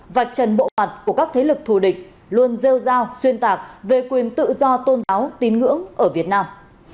vạch trần bộ mặt của các thế lực thù địch luôn rêu rao xuyên tạc về quyền tự do tôn giáo tín ngưỡng ở việt nam